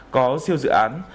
có siêu dự án